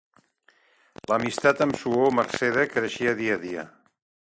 L'amistat amb suor Mercede creixia dia a dia.